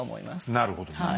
なるほど。